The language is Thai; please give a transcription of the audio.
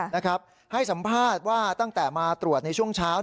นะครับให้สัมภาษณ์ว่าตั้งแต่มาตรวจในช่วงเช้า